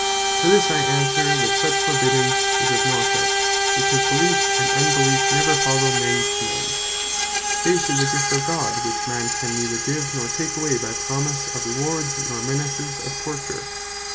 To this I answer, that such forbidding is of no effect, because Beleef, and Unbeleef never follow mens Commands. Faith is a gift of God, which Man can neither give, nor take away by promise of rewards, or menaces of torture.